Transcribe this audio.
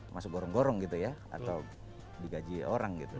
masuk goreng goreng gitu ya atau di gaji orang gitu